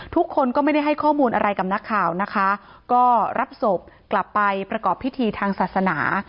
ทุกคนก็ไม่ได้ให้ข้อมูลอะไรกับนักข่าวนะคะก็รับศพกลับไปประกอบพิธีทางศาสนา